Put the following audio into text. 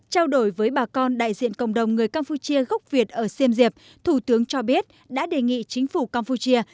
trao đổi với bà con đại diện cộng đồng người campuchia gốc việt ở siêm diệp thủ tướng cho biết đã đề nghị chính phủ campuchia